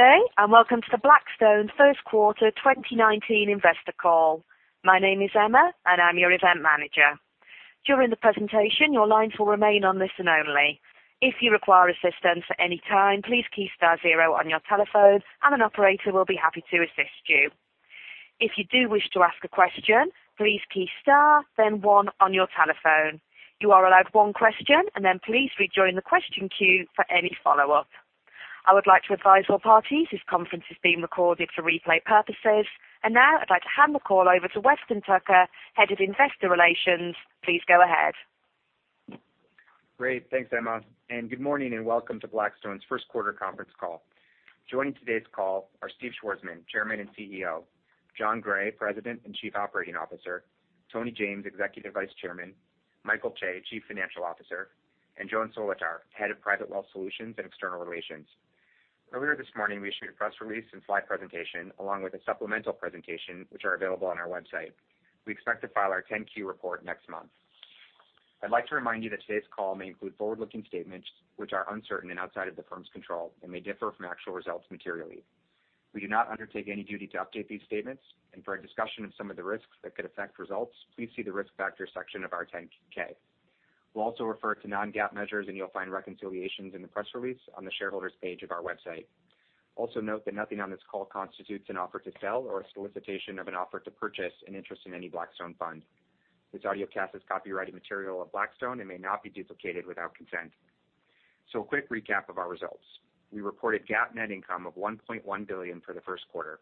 Good day. Welcome to the Blackstone First Quarter 2019 Investor Call. My name is Emma, and I'm your event manager. During the presentation, your lines will remain on listen only. If you require assistance at any time, please key star zero on your telephone, and an operator will be happy to assist you. If you do wish to ask a question, please key star then one on your telephone. You are allowed one question. Please rejoin the question queue for any follow-up. I would like to advise all parties this conference is being recorded for replay purposes. I'd like to hand the call over to Weston Tucker, Head of Investor Relations. Please go ahead. Great. Thanks, Emma. Good morning, and welcome to Blackstone's first quarter conference call. Joining today's call are Steve Schwarzman, Chairman and CEO, Jon Gray, President and Chief Operating Officer, Tony James, Executive Vice Chairman, Michael Chae, Chief Financial Officer, and Joan Solotar, Head of Private Wealth Solutions and External Relations. Earlier this morning, we issued a press release and slide presentation along with a supplemental presentation, which are available on our website. We expect to file our 10-Q report next month. I'd like to remind you that today's call may include forward-looking statements which are uncertain and outside of the firm's control and may differ from actual results materially. We do not undertake any duty to update these statements. For a discussion of some of the risks that could affect results, please see the Risk Factors section of our 10-K. We'll also refer to non-GAAP measures. You'll find reconciliations in the press release on the Shareholders page of our website. Also note that nothing on this call constitutes an offer to sell or a solicitation of an offer to purchase an interest in any Blackstone fund. This audiocast is copyrighted material of Blackstone and may not be duplicated without consent. A quick recap of our results. We reported GAAP net income of $1.1 billion for the first quarter.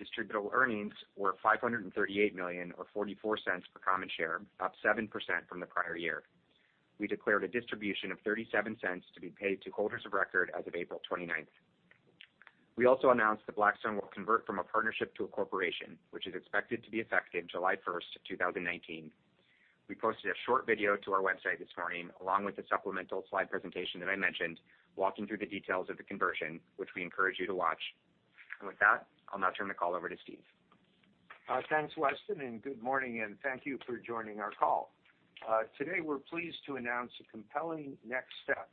Distributable earnings were $538 million, or $0.44 per common share, up 7% from the prior year. We declared a distribution of $0.37 to be paid to holders of record as of April 29th. We also announced that Blackstone will convert from a partnership to a corporation, which is expected to be effective July 1st, 2019. We posted a short video to our website this morning, along with the supplemental slide presentation that I mentioned, walking through the details of the conversion, which we encourage you to watch. With that, I'll now turn the call over to Steve. Thanks, Weston, good morning, and thank you for joining our call. Today, we're pleased to announce a compelling next step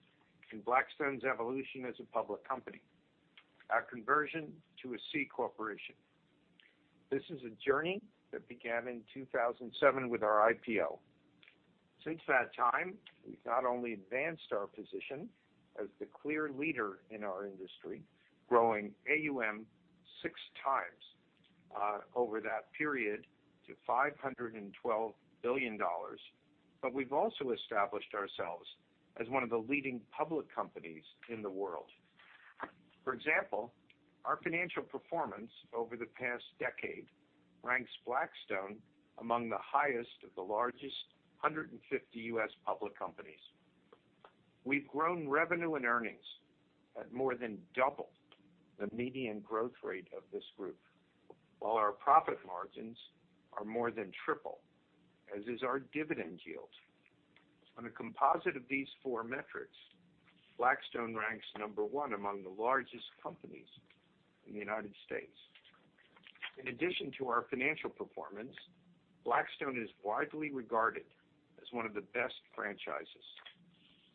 in Blackstone's evolution as a public company, our conversion to a C corporation. This is a journey that began in 2007 with our IPO. Since that time, we've not only advanced our position as the clear leader in our industry, growing AUM six times over that period to $512 billion, but we've also established ourselves as one of the leading public companies in the world. For example, our financial performance over the past decade ranks Blackstone among the highest of the largest 150 U.S. public companies. We've grown revenue and earnings at more than double the median growth rate of this group, while our profit margins are more than triple, as is our dividend yield. On a composite of these four metrics, Blackstone ranks number one among the largest companies in the United States. In addition to our financial performance, Blackstone is widely regarded as one of the best franchises.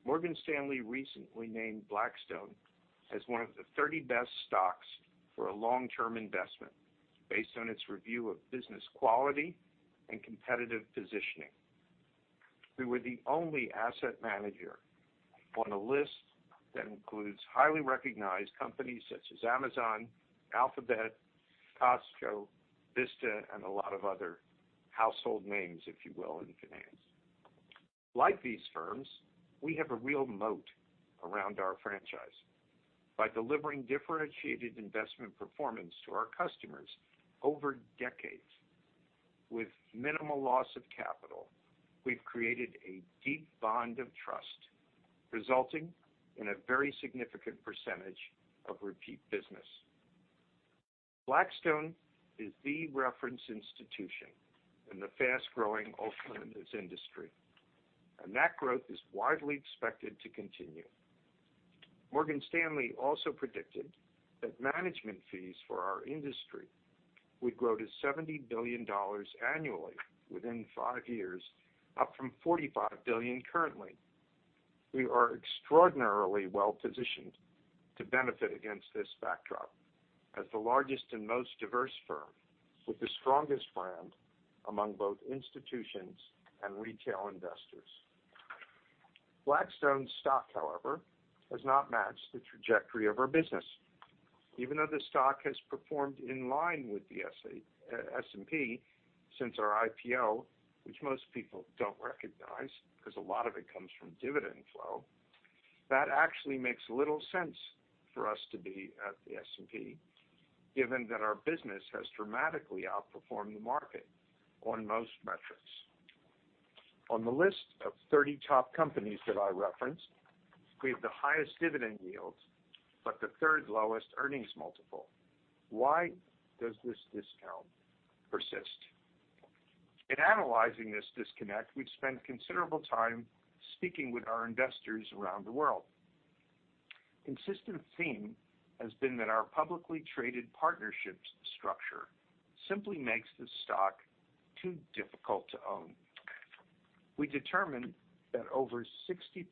Morgan Stanley recently named Blackstone as one of the 30 best stocks for a long-term investment based on its review of business quality and competitive positioning. We were the only asset manager on a list that includes highly recognized companies such as Amazon, Alphabet, Costco, Visa, and a lot of other household names, if you will, in finance. Like these firms, we have a real moat around our franchise. By delivering differentiated investment performance to our customers over decades with minimal loss of capital, we've created a deep bond of trust, resulting in a very significant percentage of repeat business. Blackstone is the reference institution in the fast-growing alternatives industry, that growth is widely expected to continue. Morgan Stanley also predicted that management fees for our industry would grow to $70 billion annually within five years, up from $45 billion currently. We are extraordinarily well-positioned to benefit against this backdrop as the largest and most diverse firm with the strongest brand among both institutions and retail investors. Blackstone's stock, however, has not matched the trajectory of our business. Even though the stock has performed in line with the S&P since our IPO, which most people don't recognize because a lot of it comes from dividend flow, that actually makes little sense for us to be at the S&P, given that our business has dramatically outperformed the market on most metrics. On the list of 30 top companies that I referenced, we have the highest dividend yield, the third lowest earnings multiple. Why does this discount persist? In analyzing this disconnect, we've spent considerable time speaking with our investors around the world. Consistent theme has been that our publicly traded partnerships structure simply makes the stock too difficult to own. We determined that over 60%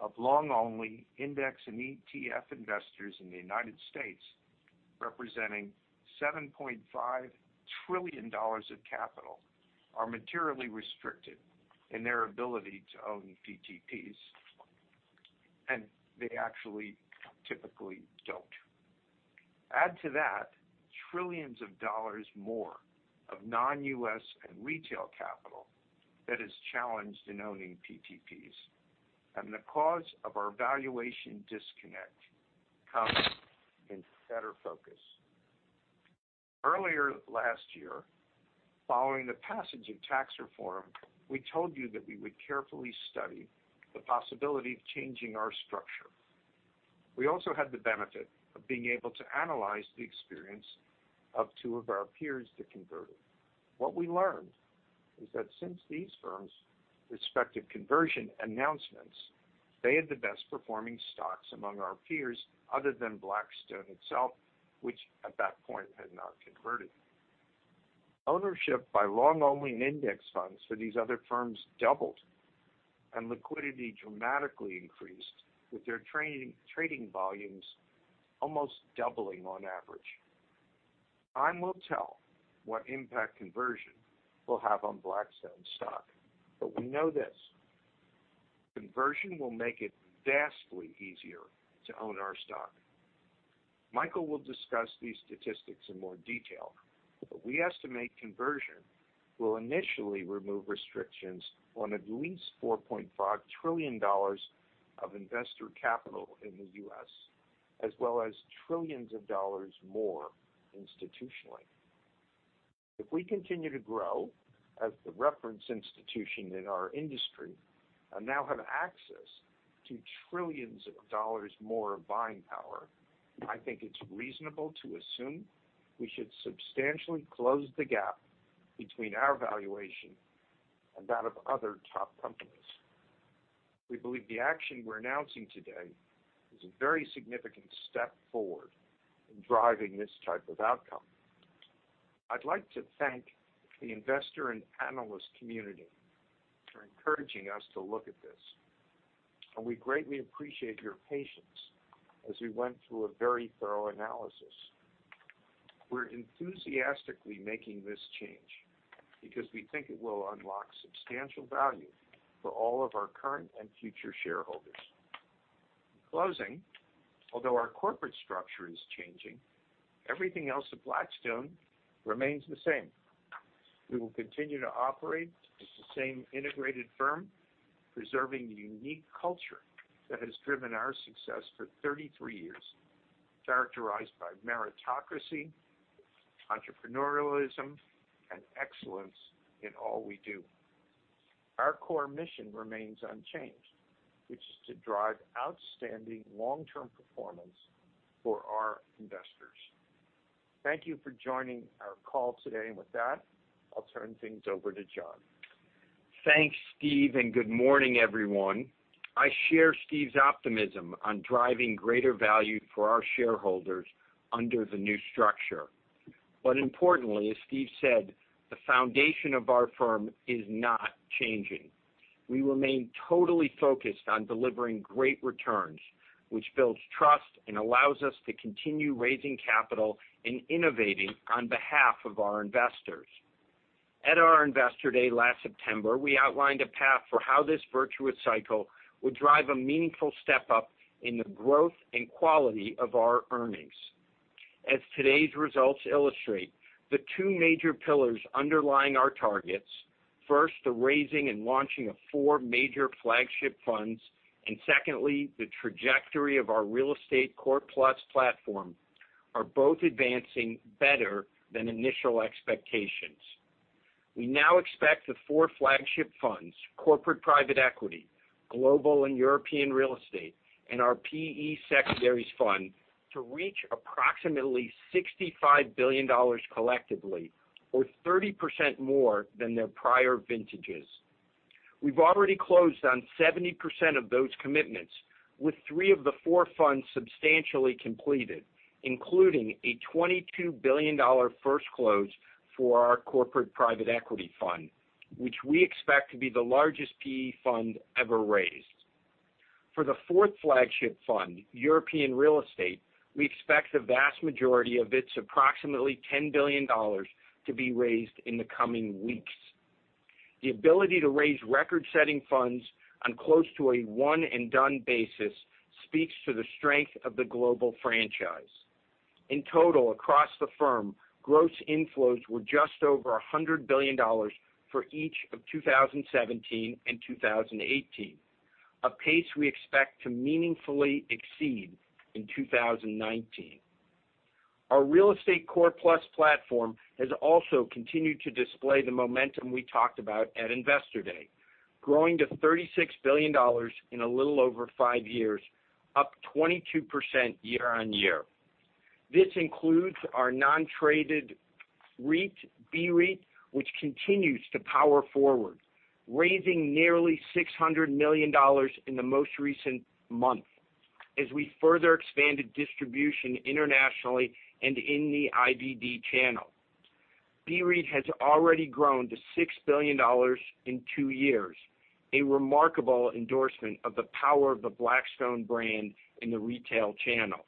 of long-only index and ETF investors in the United States, representing $7.5 trillion of capital, are materially restricted in their ability to own PTPs, and they actually typically don't. Add to that trillions of dollars more of non-U.S. and retail capital that is challenged in owning PTPs, the cause of our valuation disconnect comes into better focus. Earlier last year, following the passage of tax reform, we told you that we would carefully study the possibility of changing our structure. We also had the benefit of being able to analyze the experience of two of our peers that converted. What we learned is that since these firms' respective conversion announcements, they had the best performing stocks among our peers other than Blackstone itself, which at that point had not converted. Ownership by long-only and index funds for these other firms doubled, and liquidity dramatically increased, with their trading volumes almost doubling on average. Time will tell what impact conversion will have on Blackstone stock. We know this, conversion will make it vastly easier to own our stock. Michael will discuss these statistics in more detail, but we estimate conversion will initially remove restrictions on at least $4.5 trillion of investor capital in the U.S., as well as trillions of dollars more institutionally. If we continue to grow as the reference institution in our industry, and now have access to trillions of dollars more of buying power, I think it's reasonable to assume we should substantially close the gap between our valuation and that of other top companies. We believe the action we're announcing today is a very significant step forward in driving this type of outcome. I'd like to thank the investor and analyst community for encouraging us to look at this, and we greatly appreciate your patience as we went through a very thorough analysis. We're enthusiastically making this change because we think it will unlock substantial value for all of our current and future shareholders. In closing, although our corporate structure is changing, everything else at Blackstone remains the same. We will continue to operate as the same integrated firm, preserving the unique culture that has driven our success for 33 years, characterized by meritocracy, entrepreneurialism, and excellence in all we do. Our core mission remains unchanged, which is to drive outstanding long-term performance for our investors. Thank you for joining our call today. With that, I'll turn things over to Jon. Thanks, Steve, and good morning, everyone. I share Steve's optimism on driving greater value for our shareholders under the new structure. Importantly, as Steve said, the foundation of our firm is not changing. We remain totally focused on delivering great returns, which builds trust and allows us to continue raising capital and innovating on behalf of our investors. At our Investor Day last September, we outlined a path for how this virtuous cycle would drive a meaningful step-up in the growth and quality of our earnings. As today's results illustrate, the two major pillars underlying our targets, first, the raising and launching of four major flagship funds, and secondly, the trajectory of our Real Estate Core Plus platform, are both advancing better than initial expectations. We now expect the four flagship funds, corporate private equity, global and European real estate, and our PE secondaries fund, to reach approximately $65 billion collectively or 30% more than their prior vintages. We've already closed on 70% of those commitments, with three of the four funds substantially completed, including a $22 billion first close for our corporate private equity fund, which we expect to be the largest PE fund ever raised. For the fourth flagship fund, European Real Estate, we expect the vast majority of its approximately $10 billion to be raised in the coming weeks. The ability to raise record-setting funds on close to a one-and-done basis speaks to the strength of the global franchise. In total, across the firm, gross inflows were just over $100 billion for each of 2017 and 2018, a pace we expect to meaningfully exceed in 2019. Our Real Estate Core Plus platform has also continued to display the momentum we talked about at Investor Day, growing to $36 billion in a little over five years, up 22% year-on-year. This includes our non-traded REIT, BREIT, which continues to power forward, raising nearly $600 million in the most recent month. As we further expanded distribution internationally and in the IBD channel. BREIT has already grown to $6 billion in two years, a remarkable endorsement of the power of the Blackstone brand in the retail channel.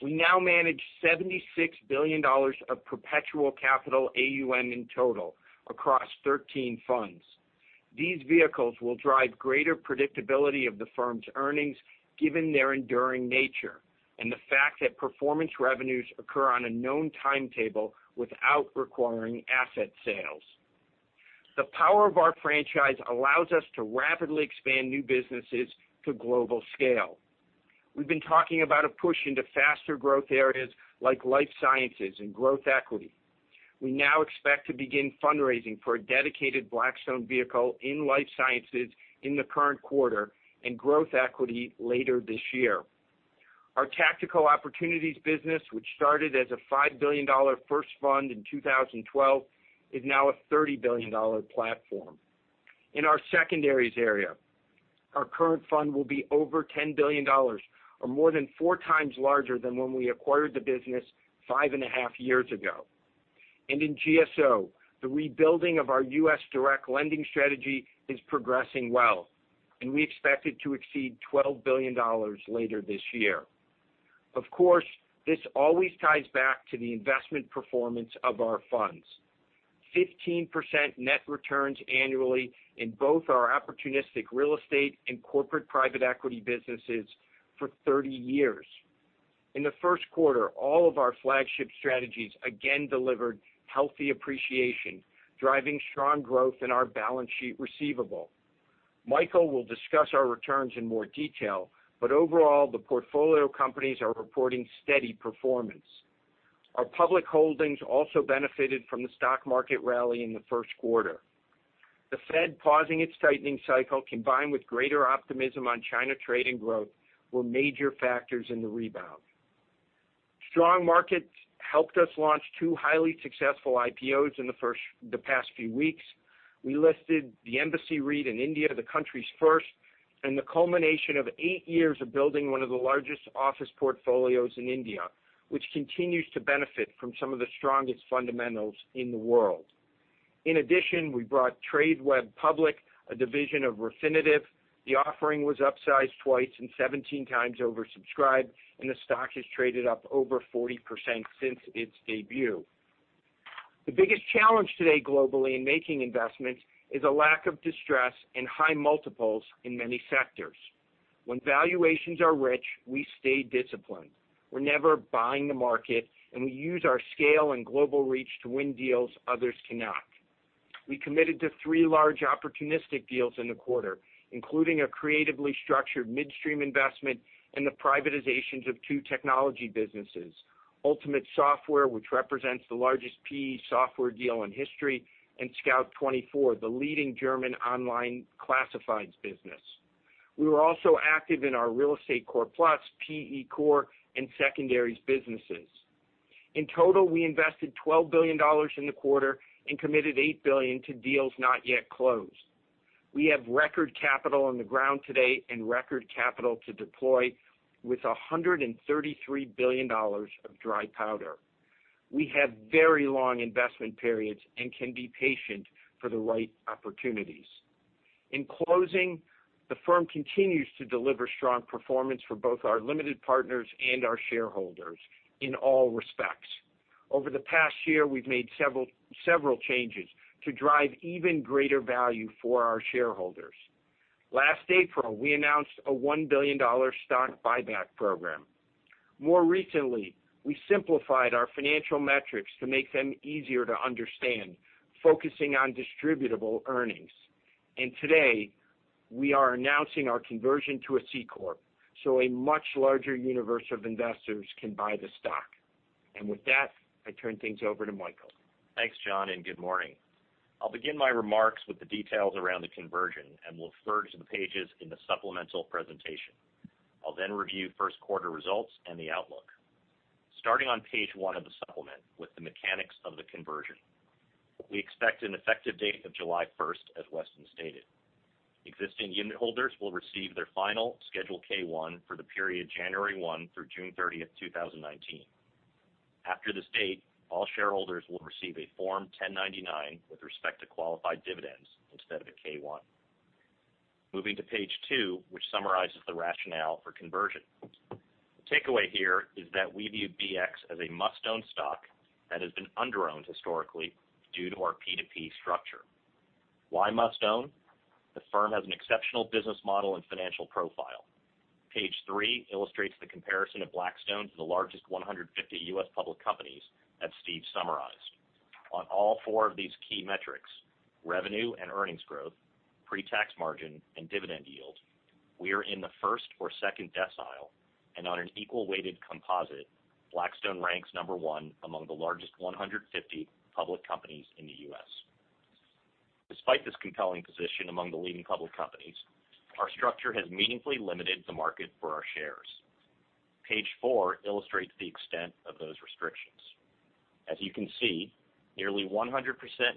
We now manage $76 billion of perpetual capital AUM in total across 13 funds. These vehicles will drive greater predictability of the firm's earnings, given their enduring nature, and the fact that performance revenues occur on a known timetable without requiring asset sales. The power of our franchise allows us to rapidly expand new businesses to global scale. We've been talking about a push into faster growth areas like life sciences and growth equity. We now expect to begin fundraising for a dedicated Blackstone vehicle in life sciences in the current quarter and growth equity later this year. Our Tactical Opportunities business, which started as a $5 billion first fund in 2012, is now a $30 billion platform. In our secondaries area, our current fund will be over $10 billion or more than four times larger than when we acquired the business five and a half years ago. In GSO, the rebuilding of our U.S. direct lending strategy is progressing well, and we expect it to exceed $12 billion later this year. Of course, this always ties back to the investment performance of our funds. 15% net returns annually in both our opportunistic real estate and corporate private equity businesses for 30 years. In the first quarter, all of our flagship strategies again delivered healthy appreciation, driving strong growth in our balance sheet receivable. Michael will discuss our returns in more detail, but overall, the portfolio companies are reporting steady performance. Our public holdings also benefited from the stock market rally in the first quarter. The Fed pausing its tightening cycle combined with greater optimism on China trade and growth were major factors in the rebound. Strong markets helped us launch two highly successful IPOs in the past few weeks. We listed the Embassy REIT in India, the country's first, and the culmination of eight years of building one of the largest office portfolios in India, which continues to benefit from some of the strongest fundamentals in the world. In addition, we brought Tradeweb public, a division of Refinitiv. The offering was upsized twice and 17 times oversubscribed, and the stock has traded up over 40% since its debut. The biggest challenge today globally in making investments is a lack of distress and high multiples in many sectors. When valuations are rich, we stay disciplined. We're never buying the market, and we use our scale and global reach to win deals others cannot. We committed to three large opportunistic deals in the quarter, including a creatively structured midstream investment and the privatizations of two technology businesses, Ultimate Software, which represents the largest PE software deal in history, and Scout24, the leading German online classifieds business. We were also active in our real estate core plus, PE core, and secondaries businesses. In total, we invested $12 billion in the quarter and committed $8 billion to deals not yet closed. We have record capital on the ground today and record capital to deploy with $133 billion of dry powder. We have very long investment periods and can be patient for the right opportunities. In closing, the firm continues to deliver strong performance for both their limited partners and their shareholders in all respects. Over the past year, we've made several changes to drive even greater value for our shareholders. Last April, we announced a $1 billion stock buyback program. More recently, we simplified our financial metrics to make them easier to understand, focusing on distributable earnings. Today, we are announcing our conversion to a C corp, so a much larger universe of investors can buy the stock. With that, I turn things over to Michael. Thanks, Jon, and good morning. I'll begin my remarks with the details around the conversion and will refer to the pages in the supplemental presentation. I'll then review first quarter results and the outlook. Starting on page one of the supplement with the mechanics of the conversion. We expect an effective date of July 1st, as Weston stated. Existing unitholders will receive their final Schedule K-1 for the period January 1 through June 30, 2019. After this date, all shareholders will receive a Form 1099 with respect to qualified dividends instead of a K-1. Moving to page two, which summarizes the rationale for conversion. The takeaway here is that we view BX as a must-own stock that has been under-owned historically due to our PTP structure. Why must-own? The firm has an exceptional business model and financial profile. Page three illustrates the comparison of Blackstone to the largest 150 U.S. public companies that Steve summarized. On all four of these key metrics, revenue and earnings growth, pre-tax margin, and dividend yield, we are in the first or second decile, and on an equal weighted composite, Blackstone ranks number one among the largest 150 public companies in the U.S. Despite this compelling position among the leading public companies, our structure has meaningfully limited the market for our shares. Page four illustrates the extent of those restrictions. As you can see, nearly 100%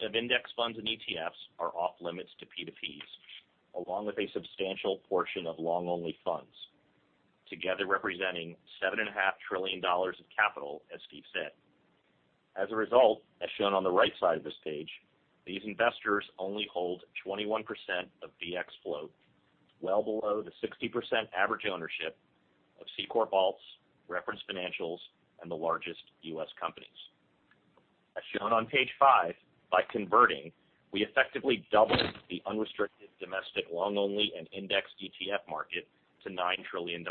of index funds and ETFs are off-limits to PTPs, along with a substantial portion of long-only funds, together representing $7.5 trillion of capital, as Steve said. As a result, as shown on the right side of this page, these investors only hold 21% of BX float, well below the 60% average ownership of C-corp ALTs, reference financials, and the largest U.S. companies. As shown on page five, by converting, we effectively double the unrestricted domestic long-only and index ETF market to $9 trillion.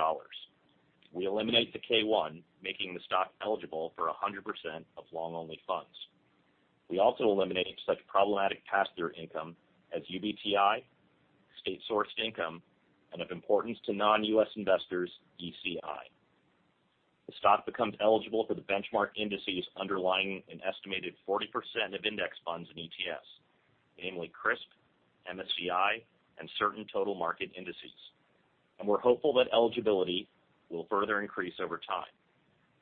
We eliminate the K-1, making the stock eligible for 100% of long-only funds. We also eliminate such problematic pass-through income as UBTI, state-sourced income, and of importance to non-U.S. investors, ECI. The stock becomes eligible for the benchmark indices underlying an estimated 40% of index funds in ETFs, namely CRSP, MSCI, and certain total market indices. We're hopeful that eligibility will further increase over time.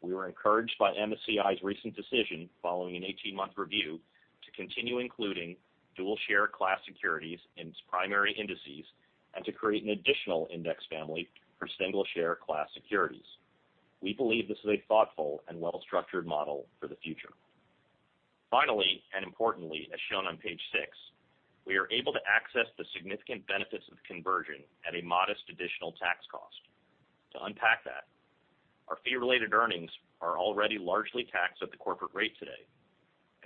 We were encouraged by MSCI's recent decision, following an 18-month review, to continue including dual share class securities in its primary indices and to create an additional index family for single share class securities. We believe this is a thoughtful and well-structured model for the future. Finally, importantly, as shown on page six, we are able to access the significant benefits of conversion at a modest additional tax cost. To unpack that, our fee-related earnings are already largely taxed at the corporate rate today.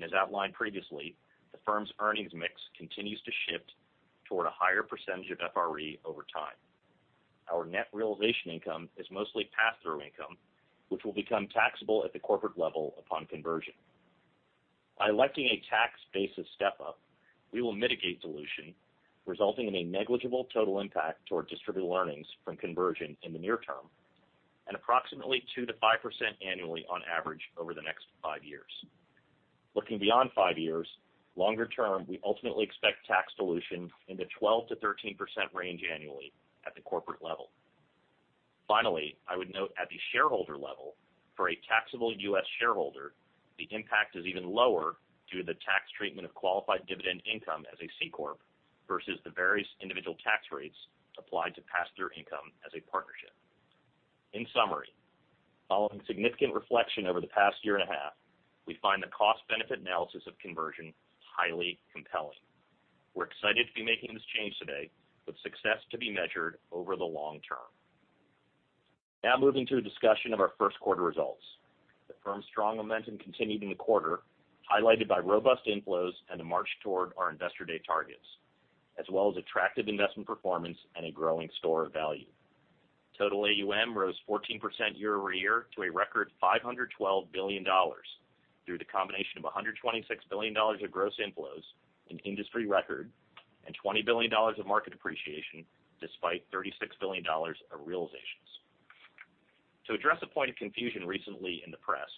As outlined previously, the firm's earnings mix continues to shift toward a higher percentage of FRE over time. Our net realization income is mostly pass-through income, which will become taxable at the corporate level upon conversion. By electing a tax basis step-up, we will mitigate dilution, resulting in a negligible total impact toward distributable earnings from conversion in the near term, and approximately 2%-5% annually on average over the next five years. Looking beyond five years, longer term, we ultimately expect tax dilution in the 12%-13% range annually at the corporate level. Finally, I would note at the shareholder level, for a taxable U.S. shareholder, the impact is even lower due to the tax treatment of qualified dividend income as a C corp versus the various individual tax rates applied to pass-through income as a partnership. In summary, following significant reflection over the past year and a half, we find the cost-benefit analysis of conversion highly compelling. We're excited to be making this change today, with success to be measured over the long term. Now moving to a discussion of our first quarter results. The firm's strong momentum continued in the quarter, highlighted by robust inflows and a march toward our investor day targets, as well as attractive investment performance and a growing store of value. Total AUM rose 14% year-over-year to a record $512 billion, through the combination of $126 billion of gross inflows, an industry record, and $20 billion of market appreciation, despite $36 billion of realizations. To address a point of confusion recently in the press,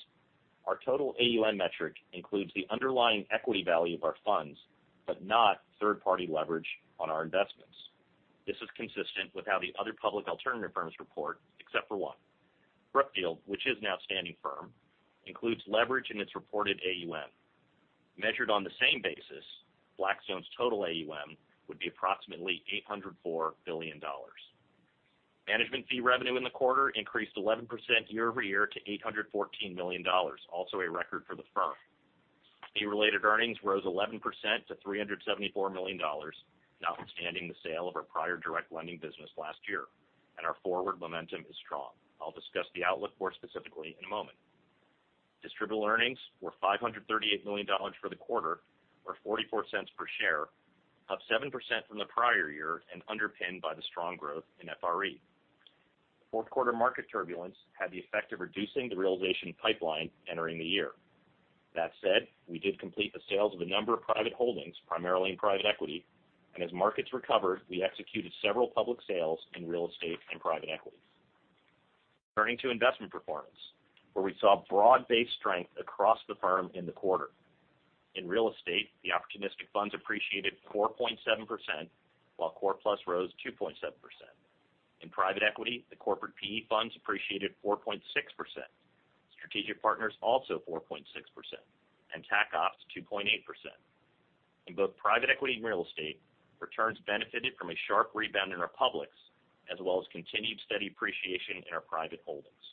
our total AUM metric includes the underlying equity value of our funds, but not third-party leverage on our investments. This is consistent with how the other public alternative firms report, except for one. Brookfield, which is an outstanding firm, includes leverage in its reported AUM. Measured on the same basis, Blackstone's total AUM would be approximately $804 billion. Management fee revenue in the quarter increased 11% year-over-year to $814 million, also a record for the firm. Fee-related earnings rose 11% to $374 million, notwithstanding the sale of our prior direct lending business last year. Our forward momentum is strong. I'll discuss the outlook more specifically in a moment. Distributable earnings were $538 million for the quarter, or $0.44 per share, up 7% from the prior year and underpinned by the strong growth in FRE. Fourth quarter market turbulence had the effect of reducing the realization pipeline entering the year. That said, we did complete the sales of a number of private holdings, primarily in private equity. As markets recovered, we executed several public sales in real estate and private equity. Turning to investment performance, where we saw broad-based strength across the firm in the quarter. In real estate, the opportunistic funds appreciated 4.7%, while core plus rose 2.7%. In private equity, the corporate PE funds appreciated 4.6%. Strategic partners, also 4.6%, and tac ops, 2.8%. In both private equity and real estate, returns benefited from a sharp rebound in our publics, as well as continued steady appreciation in our private holdings.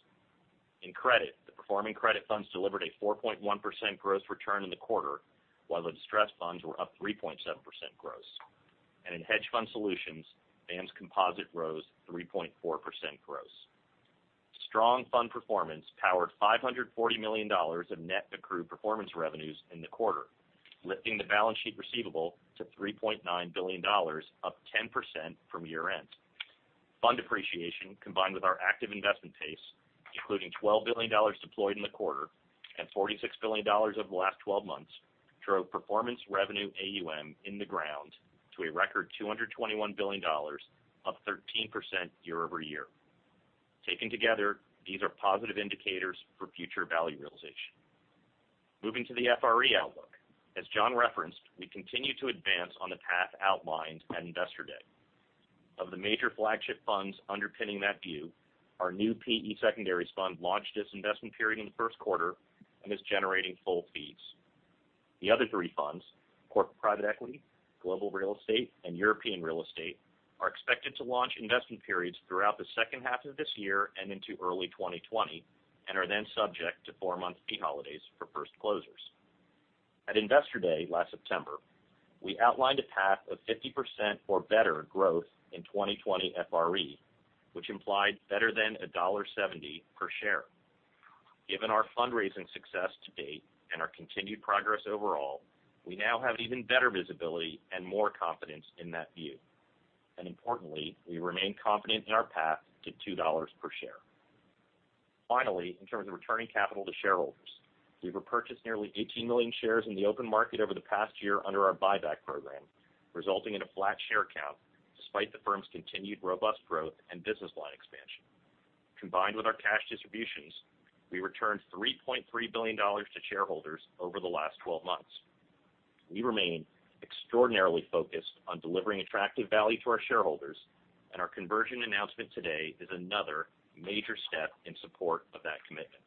In credit, the performing credit funds delivered a 4.1% gross return in the quarter, while the distressed funds were up 3.7% gross. In hedge fund solutions, BAAM's composite rose 3.4% gross. Strong fund performance powered $540 million of net accrued performance revenues in the quarter, lifting the balance sheet receivable to $3.9 billion, up 10% from year end. Fund appreciation, combined with our active investment pace, including $12 billion deployed in the quarter and $46 billion over the last 12 months, drove performance revenue AUM in the ground to a record $221 billion, up 13% year-over-year. Taken together, these are positive indicators for future value realization. Moving to the FRE outlook. As Jon referenced, we continue to advance on the path outlined at Investor Day. Of the major flagship funds underpinning that view, our new PE secondaries fund launched its investment period in the first quarter and is generating full fees. The other three funds, core private equity, global real estate, and European real estate, are expected to launch investment periods throughout the second half of this year and into early 2020, and are then subject to 4-month fee holidays for first closures. At Investor Day last September, we outlined a path of 50% or better growth in 2020 FRE, which implied better than $1.70 per share. Given our fundraising success to date and our continued progress overall, we now have even better visibility and more confidence in that view. Importantly, we remain confident in our path to $2 per share. Finally, in terms of returning capital to shareholders, we've repurchased nearly 18 million shares in the open market over the past year under our buyback program, resulting in a flat share count despite the firm's continued robust growth and business line expansion. Combined with our cash distributions, we returned $3.3 billion to shareholders over the last 12 months. We remain extraordinarily focused on delivering attractive value to our shareholders. Our conversion announcement today is another major step in support of that commitment.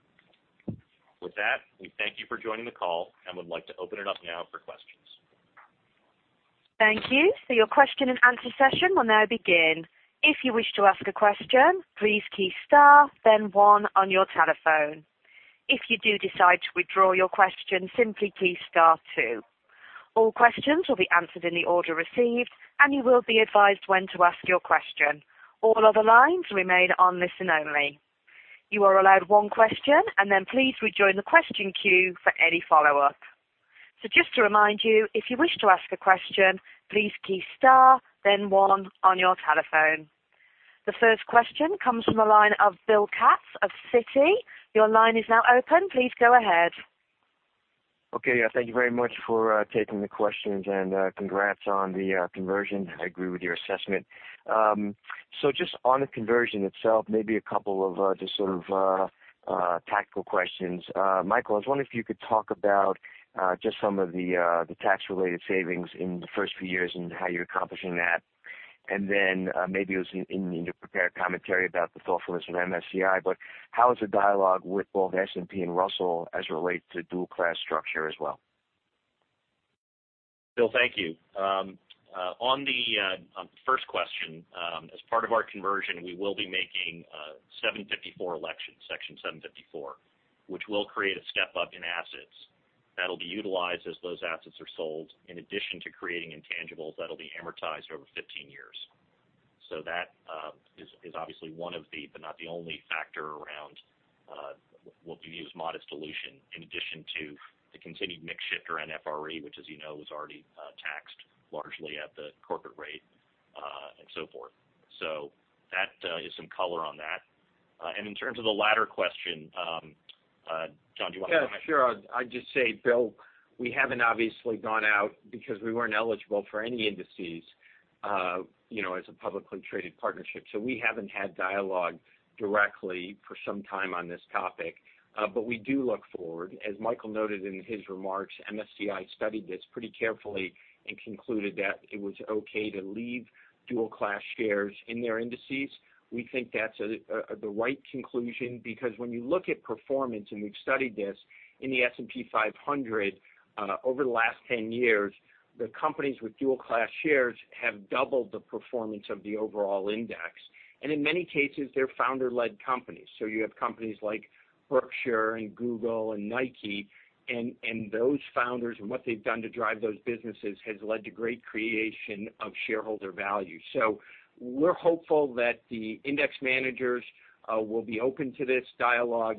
With that, we thank you for joining the call and would like to open it up now for questions. Thank you. Your question and answer session will now begin. If you wish to ask a question, please key star then one on your telephone. If you do decide to withdraw your question, simply key star two. All questions will be answered in the order received, and you will be advised when to ask your question. All other lines remain on listen only. You are allowed one question, and then please rejoin the question queue for any follow-up. Just to remind you, if you wish to ask a question, please key star then one on your telephone. The first question comes from the line of Bill Katz of Citi. Your line is now open. Please go ahead. Okay. Thank you very much for taking the questions, and congrats on the conversion. I agree with your assessment. Just on the conversion itself, maybe a couple of just sort of tactical questions. Michael, I was wondering if you could talk about just some of the tax-related savings in the first few years and how you're accomplishing that. Then maybe it was in your prepared commentary about the thoughtfulness of MSCI, but how is the dialogue with both S&P and Russell as it relates to dual class structure as well? Bill, thank you. On the first question, as part of our conversion, we will be making a Section 754 election, which will create a step-up in assets. That'll be utilized as those assets are sold, in addition to creating intangibles that'll be amortized over 15 years. That is obviously one of the, but not the only factor around what we view as modest dilution, in addition to the continued mix shift around FRE, which as you know, was already taxed largely at the corporate rate, and so forth. That is some color on that. In terms of the latter question, Jon, do you want to comment? Yeah, sure. I'd just say, Bill, we haven't obviously gone out because we weren't eligible for any indices, as a publicly traded partnership. We haven't had dialogue directly for some time on this topic. We do look forward. As Michael noted in his remarks, MSCI studied this pretty carefully and concluded that it was okay to leave dual class shares in their indices. We think that's the right conclusion because when you look at performance, and we've studied this in the S&P 500 over the last 10 years, the companies with dual class shares have doubled the performance of the overall index. In many cases, they're founder-led companies. You have companies like Berkshire and Google and Nike, and those founders and what they've done to drive those businesses has led to great creation of shareholder value. We're hopeful that the index managers will be open to this dialogue.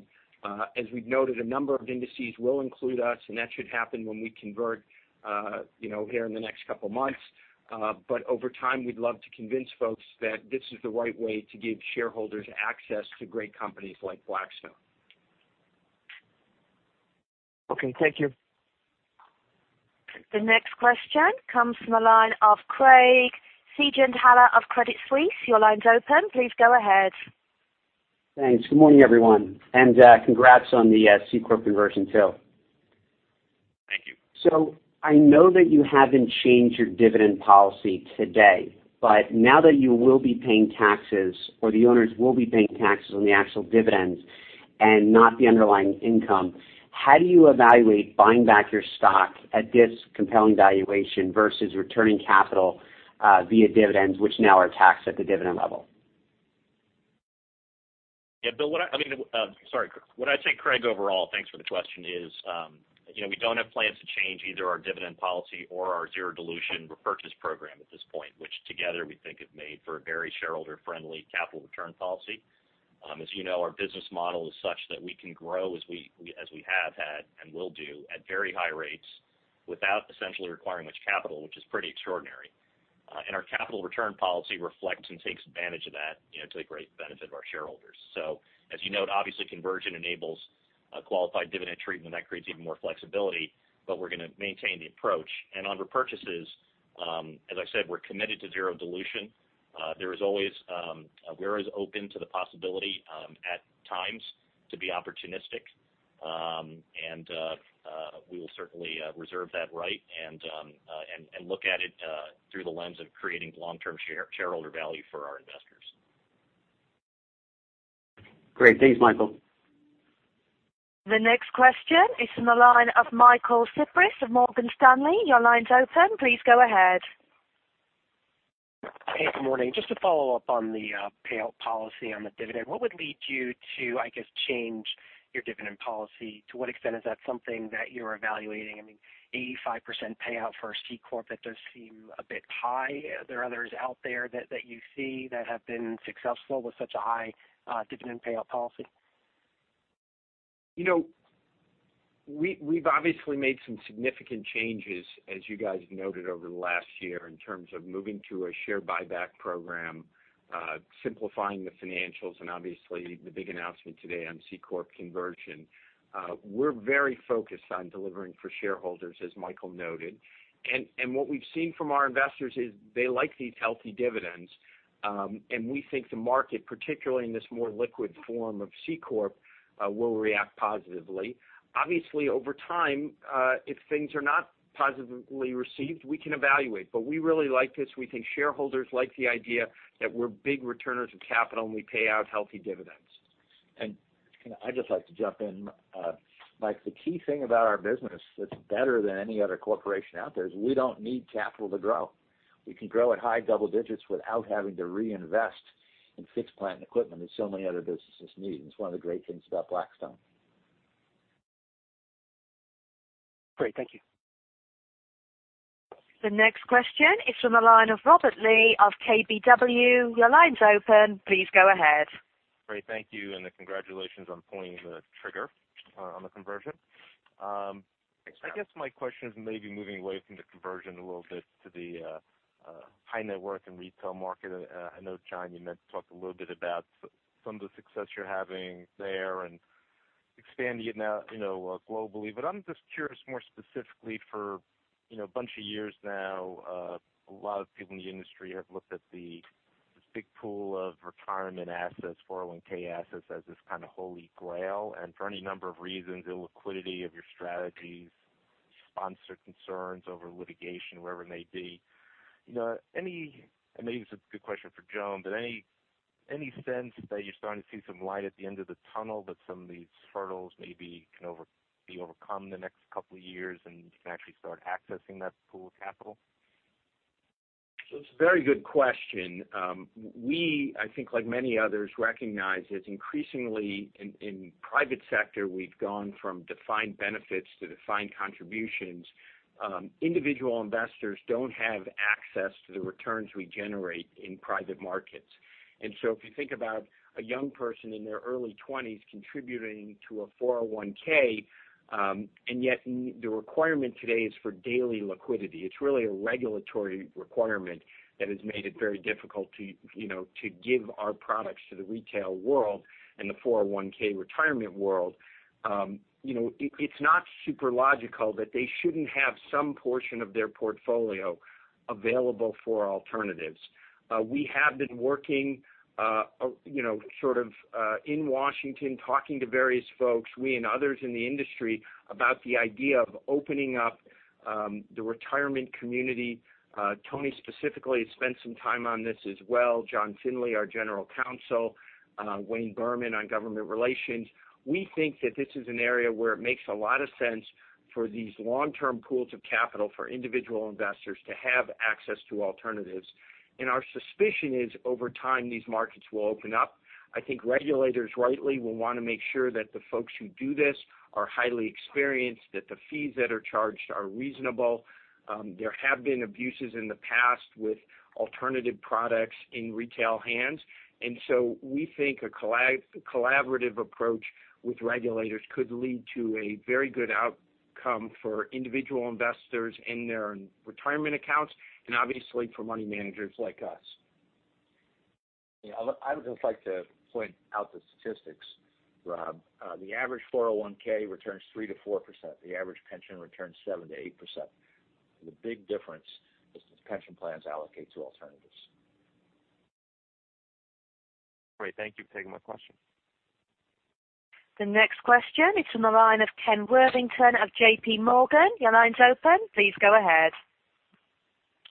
As we've noted, a number of indices will include us, and that should happen when we convert here in the next couple of months. Over time, we'd love to convince folks that this is the right way to give shareholders access to great companies like Blackstone. Okay. Thank you. The next question comes from the line of Craig Siegenthaler of Credit Suisse. Your line's open. Please go ahead. Thanks. Good morning, everyone. Congrats on the C corp conversion, too. Thank you. I know that you haven't changed your dividend policy today. Now that you will be paying taxes or the owners will be paying taxes on the actual dividends and not the underlying income, how do you evaluate buying back your stock at this compelling valuation versus returning capital via dividends, which now are taxed at the dividend level? Bill, what I think, Craig, overall, thanks for the question, is we don't have plans to change either our dividend policy or our zero dilution repurchase program at this point, which together we think have made for a very shareholder-friendly capital return policy. As you know, our business model is such that we can grow as we have had and will do at very high rates without essentially requiring much capital, which is pretty extraordinary. Our capital return policy reflects and takes advantage of that to the great benefit of our shareholders. As you note, obviously, conversion enables a qualified dividend treatment that creates even more flexibility. We're going to maintain the approach. On repurchases, as I said, we're committed to zero dilution. We're as open to the possibility, at times, to be opportunistic We will certainly reserve that right and look at it through the lens of creating long-term shareholder value for our investors. Great. Thanks, Michael. The next question is from the line of Michael Cyprys of Morgan Stanley. Your line's open. Please go ahead. Hey, good morning. Just to follow up on the payout policy on the dividend, what would lead you to, I guess, change your dividend policy? To what extent is that something that you're evaluating? I mean, 85% payout for a C corp, that does seem a bit high. Are there others out there that you see that have been successful with such a high dividend payout policy? We've obviously made some significant changes, as you guys have noted, over the last year in terms of moving to a share buyback program, simplifying the financials, and obviously the big announcement today on C corp conversion. We're very focused on delivering for shareholders, as Michael noted. What we've seen from our investors is they like these healthy dividends. We think the market, particularly in this more liquid form of C corp, will react positively. Obviously, over time, if things are not positively received, we can evaluate. We really like this. We think shareholders like the idea that we're big returners of capital, and we pay out healthy dividends. I'd just like to jump in, Mike. The key thing about our business that's better than any other corporation out there is we don't need capital to grow. We can grow at high double digits without having to reinvest in fixed plant and equipment as so many other businesses need. It's one of the great things about Blackstone. Great. Thank you. The next question is from the line of Robert Lee of KBW. Your line's open. Please go ahead. Great. Thank you, and congratulations on pulling the trigger on the conversion. Thanks, Rob. I guess my question is maybe moving away from the conversion a little bit to the high net worth and retail market. I know, Jon, you talked a little bit about some of the success you're having there and expanding it now globally. I'm just curious, more specifically, for a bunch of years now, a lot of people in the industry have looked at this big pool of retirement assets, 401 assets, as this kind of holy grail. For any number of reasons, illiquidity of your strategies, sponsor concerns over litigation, whatever it may be. Maybe this is a good question for Joan, but any sense that you're starting to see some light at the end of the tunnel, that some of these hurdles maybe can be overcome in the next couple of years, and you can actually start accessing that pool of capital? It's a very good question. We, I think like many others, recognize is increasingly in private sector, we've gone from defined benefits to defined contributions. Individual investors don't have access to the returns we generate in private markets. If you think about a young person in their early 20s contributing to a 401, and yet the requirement today is for daily liquidity. It's really a regulatory requirement that has made it very difficult to give our products to the retail world and the 401 retirement world. It's not super logical that they shouldn't have some portion of their portfolio available for alternatives. We have been working in Washington, talking to various folks, we and others in the industry, about the idea of opening up the retirement community. Tony specifically has spent some time on this as well. John Finley, our general counsel, Wayne Berman on government relations. We think that this is an area where it makes a lot of sense for these long-term pools of capital for individual investors to have access to alternatives. Our suspicion is, over time, these markets will open up. I think regulators rightly will want to make sure that the folks who do this are highly experienced, that the fees that are charged are reasonable. There have been abuses in the past with alternative products in retail hands, so we think a collaborative approach with regulators could lead to a very good outcome for individual investors in their retirement accounts, and obviously for money managers like us. I would just like to point out the statistics, Rob. The average 401(k) returns 3%-4%. The average pension returns 7%-8%. The big difference is that pension plans allocate to alternatives. Great. Thank you for taking my question. The next question is from the line of Kenneth Worthington of JPMorgan. Your line's open. Please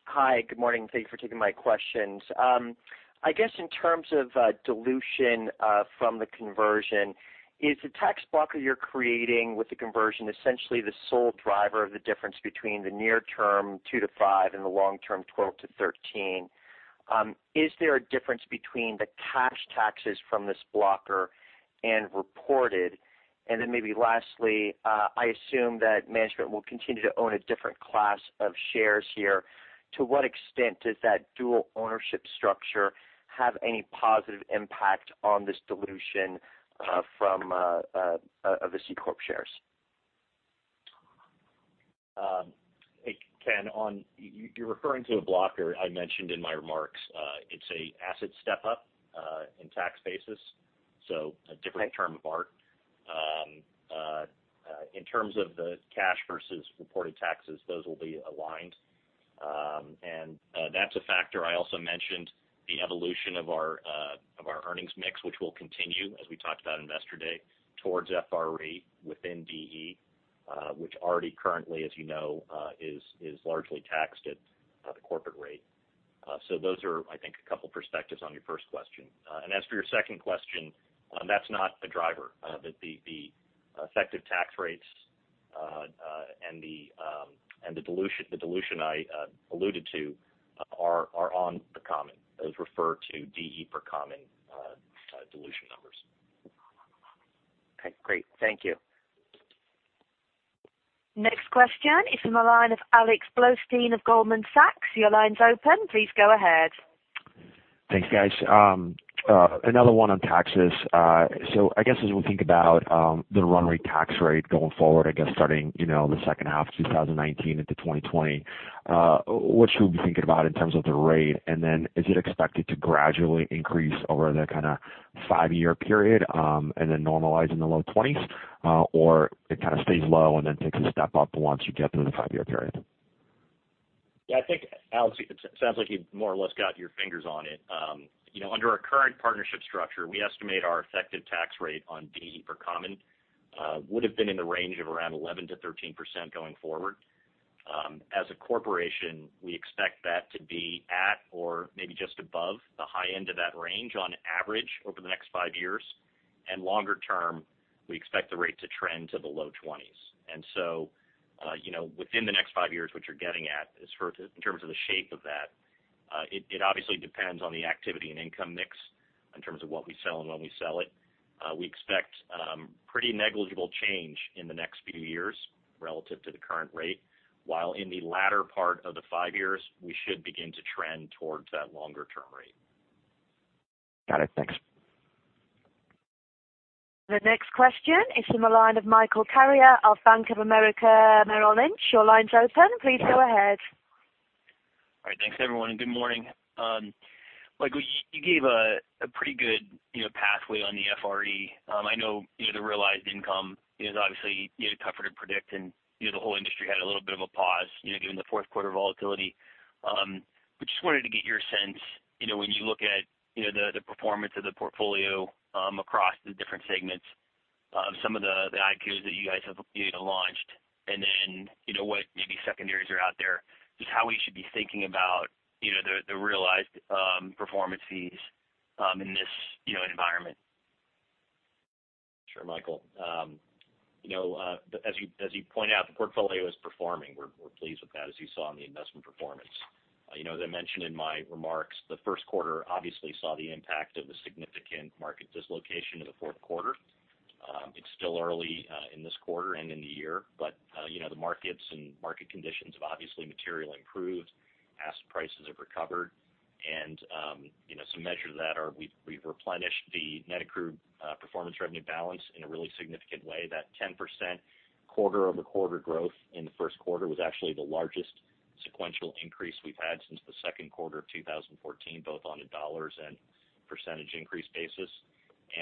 go ahead. Hi. Good morning. Thank you for taking my questions. I guess in terms of dilution from the conversion, is the tax blocker you're creating with the conversion essentially the sole driver of the difference between the near term 2-5 and the long-term 12-13? Is there a difference between the cash taxes from this blocker and reported? Maybe lastly, I assume that management will continue to own a different class of shares here. To what extent does that dual ownership structure have any positive impact on this dilution of the C corp shares? Hey, Ken. You're referring to a blocker I mentioned in my remarks. It's a asset step-up in tax basis, so a different term of art. In terms of the cash versus reported taxes, those will be aligned. That's a factor. I also mentioned the evolution of our earnings mix, which will continue, as we talked about in investor day, towards FRE within DE, which already currently, as you know is largely taxed at the corporate rate. Those are, I think, a couple perspectives on your first question. As for your second question, that's not a driver. The effective tax rates, and the dilution I alluded to are on the common. Those refer to DE per common dilution numbers. Okay, great. Thank you. Next question is from the line of Alexander Blostein of Goldman Sachs. Your line's open. Please go ahead. Thanks, guys. Another one on taxes. I guess, as we think about the run rate tax rate going forward, starting the second half of 2019 into 2020, what should we be thinking about in terms of the rate? Is it expected to gradually increase over the five-year period, and then normalize in the low twenties, or it kind of stays low and then takes a step up once you get through the five-year period? Yeah, I think, Alex, it sounds like you've more or less got your fingers on it. Under our current partnership structure, we estimate our effective tax rate on DE per common, would've been in the range of around 11%-13% going forward. As a corporation, we expect that to be at or maybe just above the high end of that range on average over the next five years. Longer term, we expect the rate to trend to the low twenties. Within the next five years, what you're getting at is for, in terms of the shape of that, it obviously depends on the activity and income mix in terms of what we sell and when we sell it. We expect pretty negligible change in the next few years relative to the current rate, while in the latter part of the five years, we should begin to trend towards that longer term rate. Got it. Thanks. The next question is from the line of Michael Carrier of Bank of America Merrill Lynch. Your line's open. Please go ahead. All right. Thanks everyone. Good morning. Mike, you gave a pretty good pathway on the FRE. I know the realized income is obviously tougher to predict. The whole industry had a little bit of a pause, given the fourth quarter volatility. Just wanted to get your sense, when you look at the performance of the portfolio, across the different segments of some of the REITs that you guys have launched, and then what maybe secondaries are out there, just how we should be thinking about the realized performance fees in this environment. Sure, Michael. As you point out, the portfolio is performing. We're pleased with that, as you saw in the investment performance. As I mentioned in my remarks, the first quarter obviously saw the impact of the significant market dislocation in the fourth quarter. It's still early in this quarter and in the year. The markets and market conditions have obviously materially improved. Asset prices have recovered. Some measures of that are we've replenished the net accrued performance revenue balance in a really significant way. That 10% quarter-over-quarter growth in the first quarter was actually the largest sequential increase we've had since the second quarter of 2014, both on a dollars and percentage increase basis.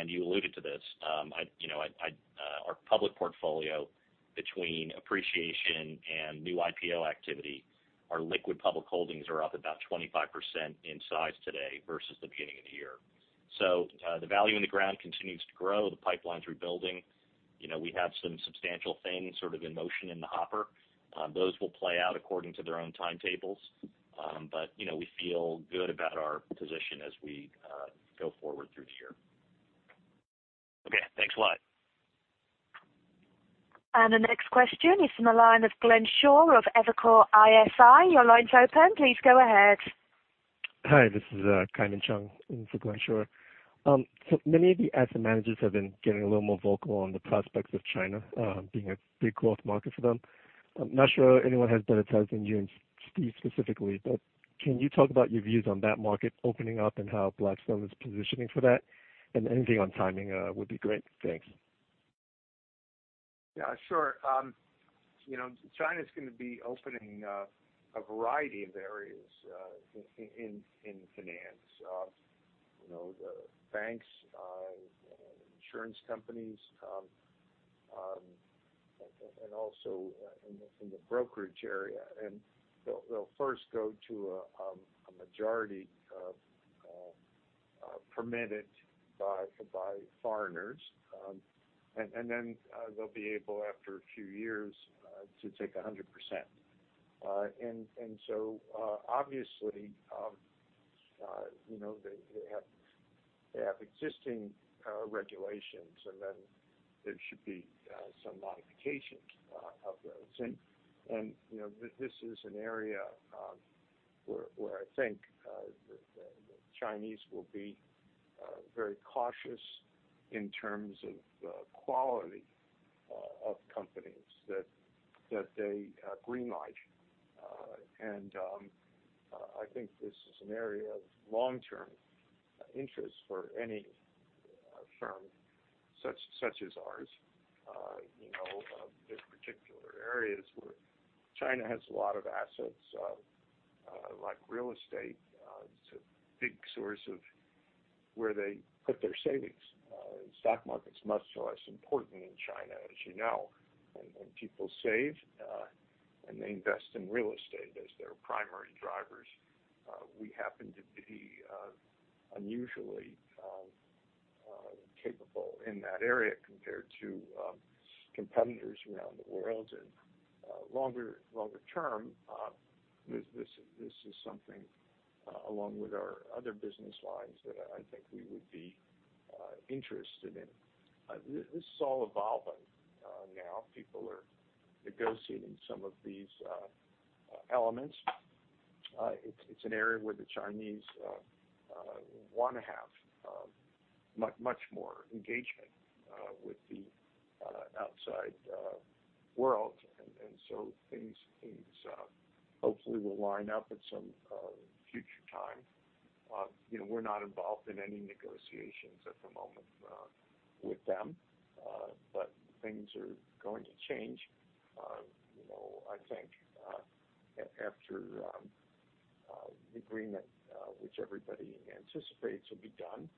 You alluded to this. Our public portfolio between appreciation and new IPO activity, our liquid public holdings are up about 25% in size today versus the beginning of the year. The value in the ground continues to grow. The pipeline's rebuilding. We have some substantial things sort of in motion in the hopper. Those will play out according to their own timetables. We feel good about our position as we go forward through the year. Okay, thanks a lot. The next question is from the line of Glenn Schorr of Evercore ISI. Your line's open. Please go ahead. Hi, this is Kaimon Chung in for Glenn Schorr. Many of the asset managers have been getting a little more vocal on the prospects of China being a big growth market for them. I'm not sure anyone has better ties than you and Steve specifically. Can you talk about your views on that market opening up, and how Blackstone is positioning for that? Anything on timing would be great. Thanks. Yeah, sure. China's going to be opening up a variety of areas in finance. The banks, insurance companies, and also in the brokerage area. They'll first go to a majority permitted by foreigners, then they'll be able, after a few years, to take 100%. Obviously, they have existing regulations, then there should be some modifications of those. This is an area where I think the Chinese will be very cautious in terms of the quality of companies that they greenlight. I think this is an area of long-term interest for any firm such as ours. areas where China has a lot of assets, like real estate. It's a big source of where they put their savings. Stock market's much less important in China, as you know, people save, and they invest in real estate as their primary drivers. We happen to be unusually capable in that area compared to competitors around the world. Longer term, this is something along with our other business lines that I think we would be interested in. This is all evolving. Now people are negotiating some of these elements. It's an area where the Chinese want to have much more engagement with the outside world. Things hopefully will line up at some future time. We're not involved in any negotiations at the moment with them. Things are going to change. I think, after the agreement, which everybody anticipates will be done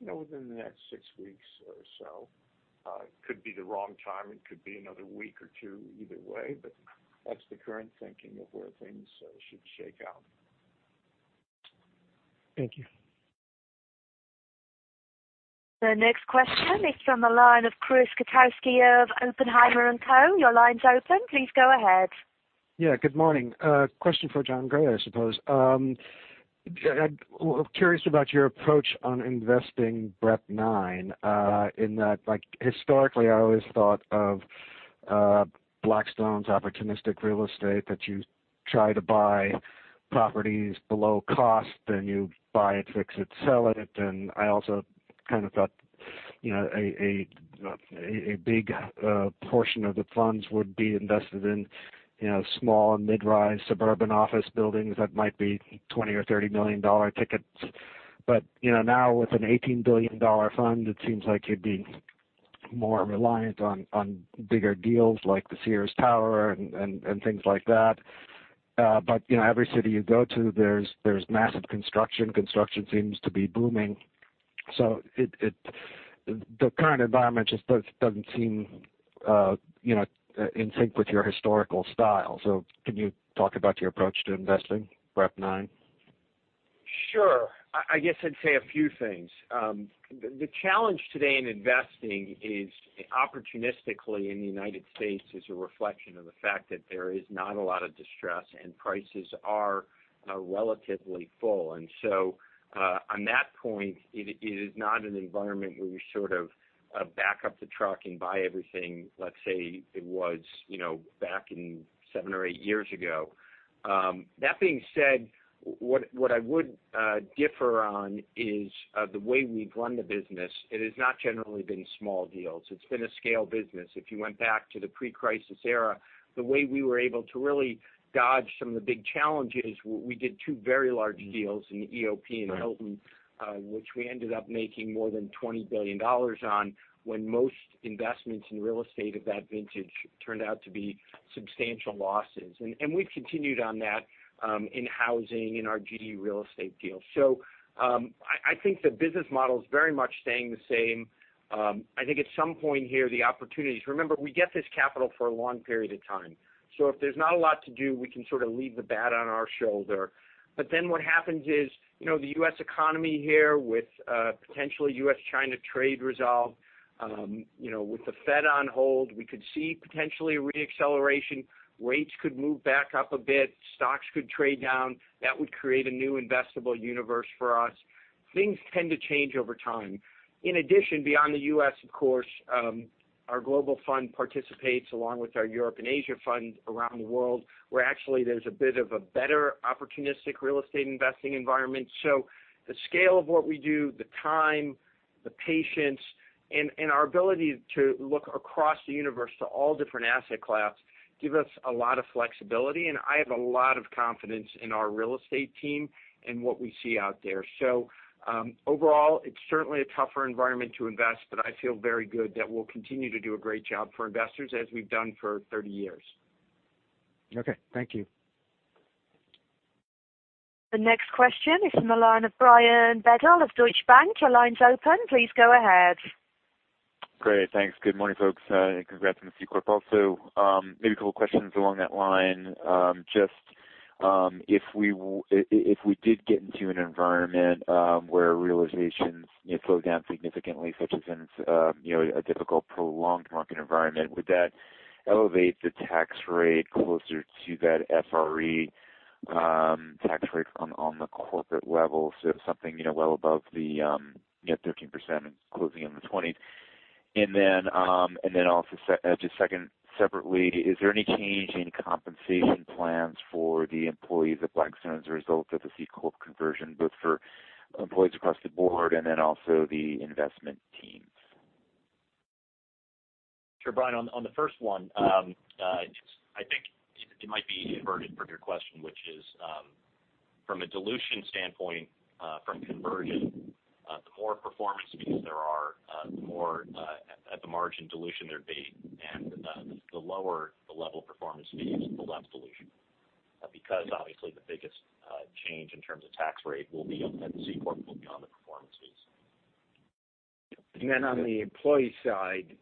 within the next six weeks or so. Could be the wrong timing, could be another week or two either way, but that's the current thinking of where things should shake out. Thank you. The next question is from the line of Chris Kotowski of Oppenheimer & Co.. Your line's open. Please go ahead. Yeah. Good morning. Question for Jon Gray, I suppose. Curious about your approach on investing BREP IX, in that, historically, I always thought of Blackstone's opportunistic real estate, that you try to buy properties below cost, then you buy it, fix it, sell it. I also kind of thought a big portion of the funds would be invested in small and mid-rise suburban office buildings that might be $20 million or $30 million tickets. Now with an $18 billion fund, it seems like you'd be more reliant on bigger deals like the Sears Tower and things like that. Every city you go to, there's massive construction. Construction seems to be booming. The current environment just doesn't seem in sync with your historical style. Can you talk about your approach to investing BREP IX? Sure. I guess I'd say a few things. The challenge today in investing is opportunistically in the U.S. is a reflection of the fact that there is not a lot of distress, prices are relatively full. On that point, it is not an environment where you sort of back up the truck and buy everything, let's say it was back in seven or eight years ago. That being said, what I would differ on is the way we've run the business. It has not generally been small deals. It's been a scale business. If you went back to the pre-crisis era, the way we were able to really dodge some of the big challenges, we did two very large deals in the EOP and the Hilton, which we ended up making more than $20 billion on, when most investments in real estate of that vintage turned out to be substantial losses. We've continued on that in housing, in our GE real estate deal. I think the business model is very much staying the same. I think at some point here, the opportunities, remember, we get this capital for a long period of time. If there's not a lot to do, we can sort of leave the bat on our shoulder. What happens is, the U.S. economy here with potentially U.S.-China trade resolve, with the Fed on hold, we could see potentially a re-acceleration. Rates could move back up a bit. Stocks could trade down. That would create a new investable universe for us. Things tend to change over time. In addition, beyond the U.S., of course, our global fund participates along with our Europe and Asia funds around the world, where actually there's a bit of a better opportunistic real estate investing environment. The scale of what we do, the time, the patience, and our ability to look across the universe to all different asset class give us a lot of flexibility, and I have a lot of confidence in our real estate team and what we see out there. Overall, it's certainly a tougher environment to invest, but I feel very good that we'll continue to do a great job for investors as we've done for 30 years. Okay. Thank you. The next question is from the line of Brian Bedell of Deutsche Bank. Your line's open. Please go ahead. Great. Thanks. Good morning, folks, and congrats on the C corp also. Maybe a couple questions along that line. Just if we did get into an environment where realizations slow down significantly, such as in a difficult, prolonged market environment, would that elevate the tax rate closer to that FRE tax rate on the corporate level? Something well above the 13% and closing in the 20s. Then also as a second separately, is there any change in compensation plans for the employees of Blackstone as a result of the C corp conversion, both for employees across the board and then also the investment teams? Sure, Brian, on the first one, I think it might be inverted from your question. From a dilution standpoint, from conversion, the more performance fees there are, the more at the margin dilution there'd be, and the lower the level performance fees, the less dilution. Because obviously the biggest change in terms of tax rate will be on the C corp, will be on the performance fees. On the employee side,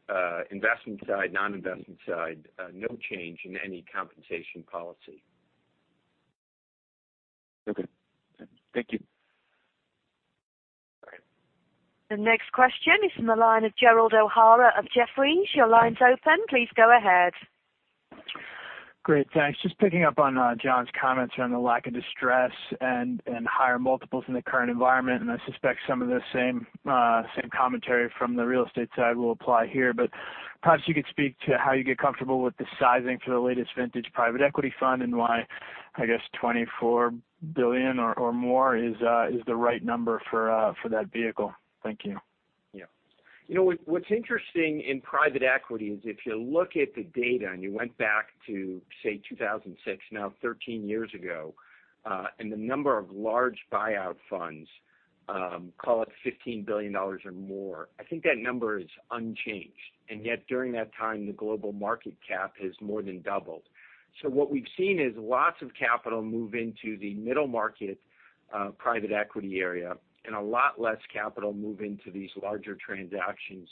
investment side, non-investment side, no change in any compensation policy. Okay. Thank you. All right. The next question is from the line of Gerald O'Hara of Jefferies. Your line's open. Please go ahead. Great, thanks. Just picking up on Jon's comments around the lack of distress and higher multiples in the current environment, I suspect some of the same commentary from the real estate side will apply here. Perhaps you could speak to how you get comfortable with the sizing for the latest vintage private equity fund and why, I guess, $24 billion or more is the right number for that vehicle. Thank you. Yeah. What's interesting in private equity is if you look at the data, you went back to, say, 2006, now 13 years ago, the number of large buyout funds, call it $15 billion or more, I think that number is unchanged. Yet during that time, the global market cap has more than doubled. What we've seen is lots of capital move into the middle market, private equity area, a lot less capital move into these larger transactions.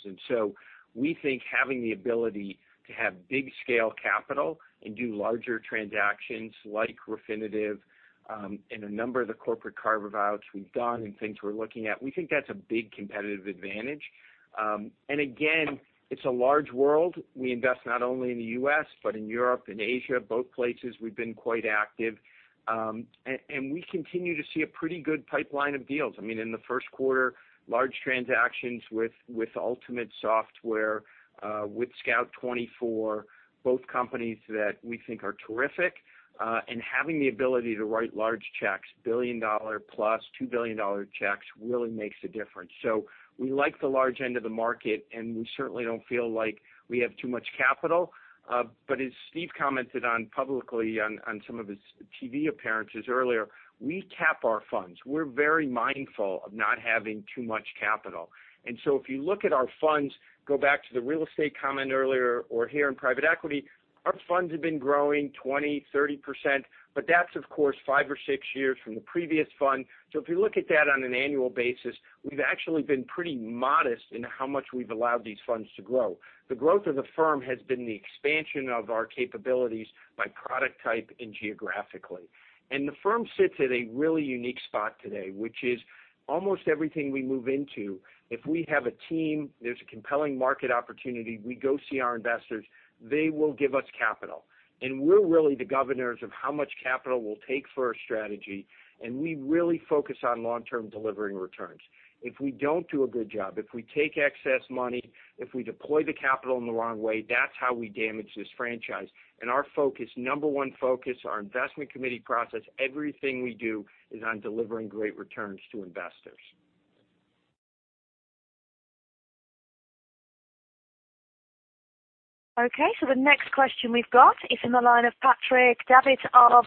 We think having the ability to have big scale capital and do larger transactions like Refinitiv, a number of the corporate carve-outs we've done and things we're looking at, we think that's a big competitive advantage. Again, it's a large world. We invest not only in the U.S., but in Europe and Asia, both places we've been quite active. We continue to see a pretty good pipeline of deals. I mean, in the first quarter, large transactions with Ultimate Software, with Scout24, both companies that we think are terrific. Having the ability to write large checks, $1 billion-plus, $2 billion checks really makes a difference. We like the large end of the market, we certainly don't feel like we have too much capital. As Steve commented on publicly on some of his TV appearances earlier, we cap our funds. We're very mindful of not having too much capital. If you look at our funds, go back to the real estate comment earlier or here in private equity, our funds have been growing 20%, 30%, but that's of course, five or six years from the previous fund. If you look at that on an annual basis, we've actually been pretty modest in how much we've allowed these funds to grow. The growth of the firm has been the expansion of our capabilities by product type and geographically. The firm sits at a really unique spot today, which is almost everything we move into, if we have a team, there's a compelling market opportunity. We go see our investors, they will give us capital. We're really the governors of how much capital we'll take for our strategy, and we really focus on long-term delivering returns. If we don't do a good job, if we take excess money, if we deploy the capital in the wrong way, that's how we damage this franchise. Our focus, number one focus, our investment committee process, everything we do is on delivering great returns to investors. Okay, the next question we've got is in the line of Patrick Davitt of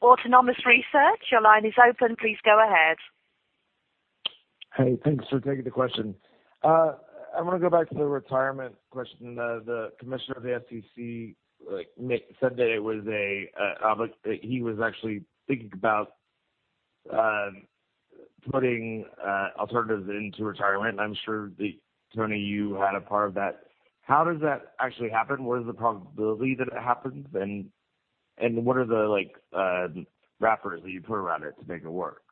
Autonomous Research. Your line is open. Please go ahead. Hey, thanks for taking the question. I want to go back to the retirement question. The commissioner of the SEC, [Nick], said that he was actually thinking about putting alternatives into retirement. I'm sure that Tony, you had a part of that. How does that actually happen? What is the probability that it happens? What are the wrappers that you put around it to make it work?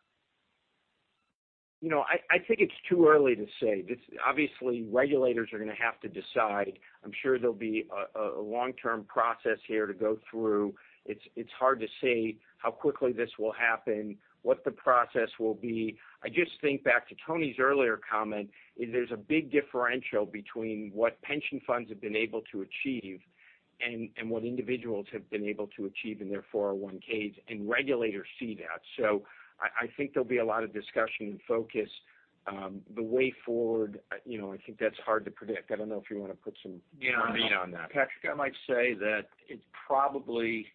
I think it's too early to say. Obviously, regulators are going to have to decide. I'm sure there'll be a long-term process here to go through. It's hard to say how quickly this will happen, what the process will be. I just think back to Tony's earlier comment, is there's a big differential between what pension funds have been able to achieve and what individuals have been able to achieve in their 401(k)s, and regulators see that. I think there'll be a lot of discussion and focus. The way forward, I think that's hard to predict. I don't know if you want to put some meat on that. Patrick, I might say that it probably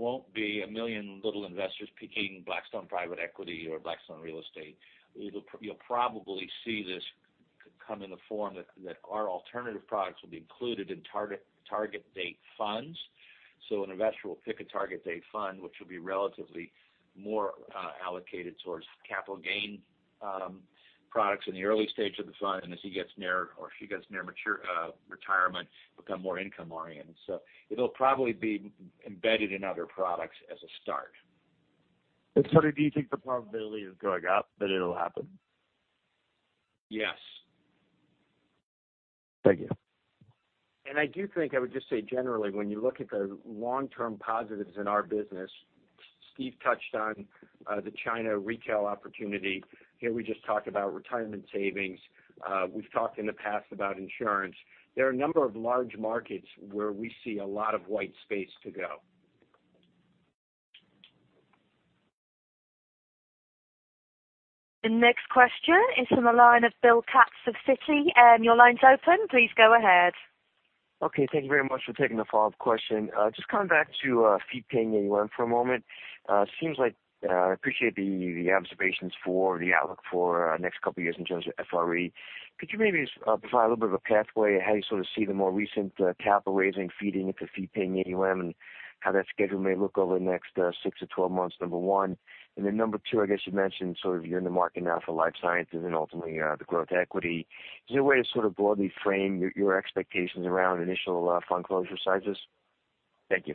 won't be a million little investors picking Blackstone private equity or Blackstone real estate. You'll probably see this come in the form that our alternative products will be included in target date funds. An investor will pick a target date fund, which will be relatively more allocated towards capital gain products in the early stage of the fund, and as he gets near, or she gets near mature retirement, become more income-oriented. It'll probably be embedded in other products as a start. Tony, do you think the probability is going up that it'll happen? Yes. Thank you. I do think I would just say generally, when you look at the long-term positives in our business, Steve touched on the China retail opportunity. Here we just talked about retirement savings. We've talked in the past about insurance. There are a number of large markets where we see a lot of white space to go. The next question is from the line of Bill Katz of Citi. Your line's open, please go ahead. Okay, thank you very much for taking the follow-up question. Just coming back to fee-paying AUM for a moment. I appreciate the observations for the outlook for next couple of years in terms of FRE. Could you maybe provide a little bit of a pathway how you sort of see the more recent capital raising feeding into fee-paying AUM, and how that schedule may look over the next 6 to 12 months, number 1? Number 2, I guess you mentioned sort of you're in the market now for life sciences and ultimately the growth equity. Is there a way to sort of broadly frame your expectations around initial fund closure sizes? Thank you.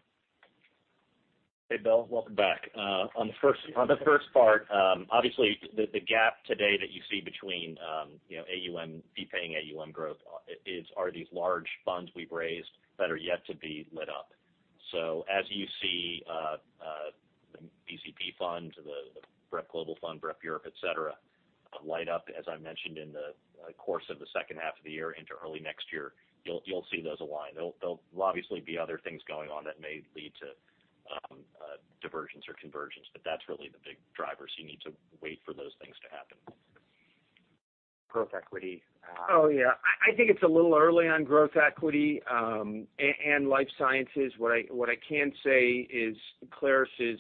Hey, Bill. Welcome back. On the first part, obviously, the gap today that you see between fee-paying AUM growth are these large funds we've raised that are yet to be lit up. As you see the BCP fund, the BREP global fund, BREP Europe, et cetera, light up, as I mentioned, in the course of the second half of the year into early next year, you'll see those align. There'll obviously be other things going on that may lead to diversions or convergence, but that's really the big driver, you need to wait for those things to happen. Growth equity. Oh, yeah. I think it's a little early on growth equity, and life sciences. What I can say is Clarus'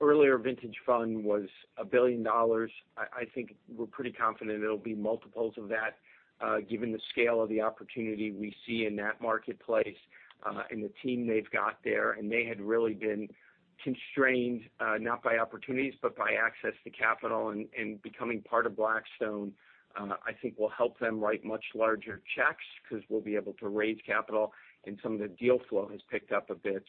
earlier vintage fund was $1 billion. I think we're pretty confident it'll be multiples of that, given the scale of the opportunity we see in that marketplace, and the team they've got there, and they had really been constrained, not by opportunities, but by access to capital. Becoming part of Blackstone, I think will help them write much larger checks because we'll be able to raise capital, and some of the deal flow has picked up a bit.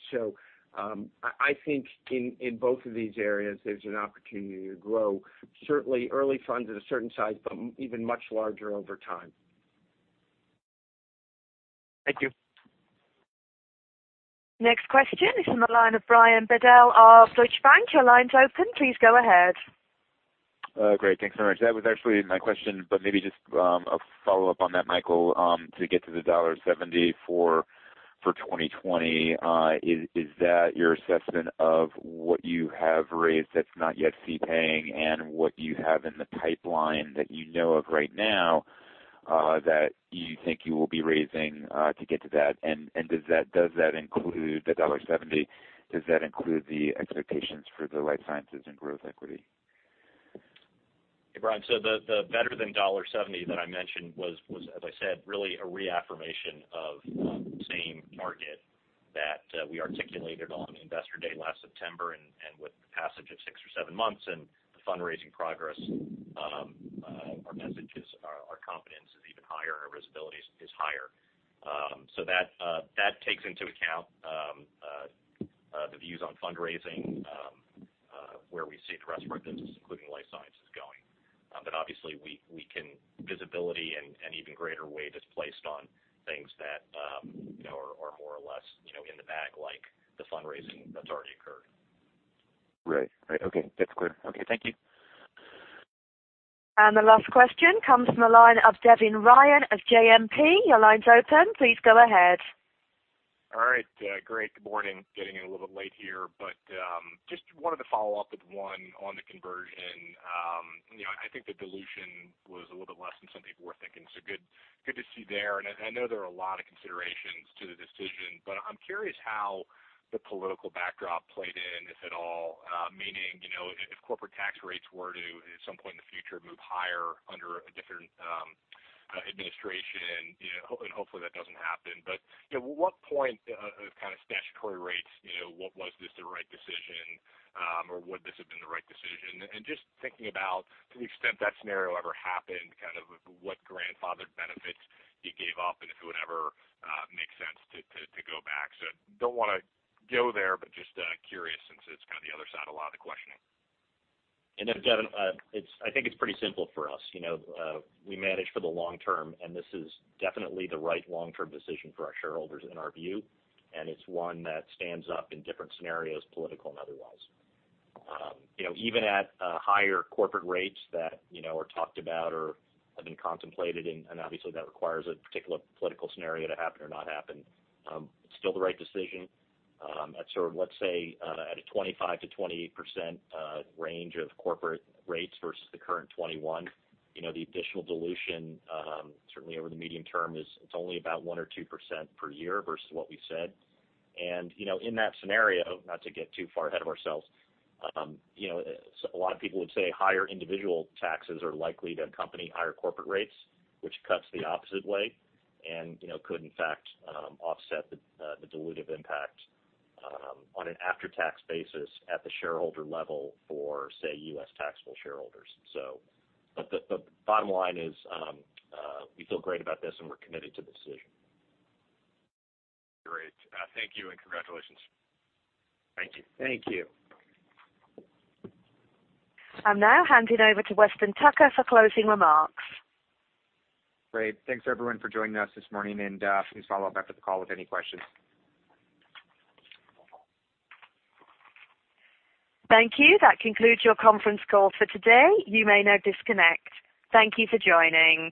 I think in both of these areas, there's an opportunity to grow. Certainly early funds at a certain size, but even much larger over time. Thank you. Next question is from the line of Brian Bedell of Deutsche Bank. Your line's open, please go ahead. Great. Thanks very much. That was actually my question. Maybe just a follow-up on that, Michael, to get to the $1.70 for 2020. Is that your assessment of what you have raised that's not yet fee-paying, and what you have in the pipeline that you know of right now, that you think you will be raising to get to that? Does that include, the $1.70, does that include the expectations for the life sciences and growth equity? Hey, Brian, the better than $1.70 that I mentioned was, as I said, really a reaffirmation of the same target that we articulated on Investor Day last September. With the passage of six or seven months and the fundraising progress, our message is our confidence is even higher, our visibility is higher. That takes into account the views on fundraising, where we see the rest of our business, including life sciences, going. Obviously visibility and even greater weight is placed on things that are more or less in the bag, like the fundraising that's already occurred. Right. Okay, that's clear. Okay, thank you. The last question comes from the line of Devin Ryan of JMP. Your line's open. Please go ahead. All right. Great, good morning. Just wanted to follow up with one on the conversion. I think the dilution was a little bit less than some people were thinking, so good to see there. I know there are a lot of considerations to the decision, I'm curious how the political backdrop played in, if at all. Meaning, if corporate tax rates were to, at some point in the future, move higher under a different administration, and hopefully that doesn't happen. At what point of kind of statutory rates, was this the right decision? Or would this have been the right decision? Just thinking about to the extent that scenario ever happened, kind of what grandfathered benefits you gave up and if it would ever make sense to go back. Don't want to go there, just curious since it's kind of the other side, a lot of the questioning. Devin, I think it's pretty simple for us. We manage for the long term, this is definitely the right long-term decision for our shareholders in our view. It's one that stands up in different scenarios, political and otherwise. Even at higher corporate rates that are talked about or have been contemplated, obviously that requires a particular political scenario to happen or not happen. It's still the right decision at sort of, let's say, at a 25%-28% range of corporate rates versus the current 21%. The additional dilution, certainly over the medium term, it's only about 1% or 2% per year versus what we said. In that scenario, not to get too far ahead of ourselves, a lot of people would say higher individual taxes are likely to accompany higher corporate rates, which cuts the opposite way and could in fact offset the dilutive impact on an after-tax basis at the shareholder level for, say, U.S. taxable shareholders. The bottom line is, we feel great about this and we're committed to the decision. Great. Thank you, and congratulations. Thank you. Thank you. I'm now handing over to Weston Tucker for closing remarks. Great. Thanks everyone for joining us this morning, and please follow up after the call with any questions. Thank you. That concludes your conference call for today. You may now disconnect. Thank you for joining.